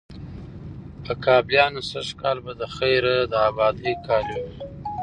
په کابليانو سږ کال به د خیره د آبادۍ کال وي،